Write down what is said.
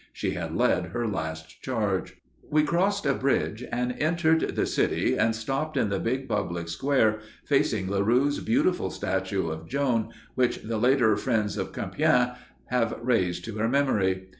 She had led her last charge. We crossed a bridge and entered the city, and stopped in the big public square facing Laroux's beautiful statue of Joan which the later "friends of Compiègne" have raised to her memory.